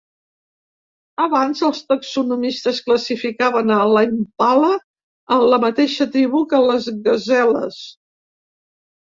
Abans, els taxonomistes classificaven a l'impala a la mateixa tribu que les gaseles.